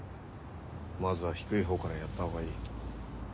まずは低いほうからやったほうがいい。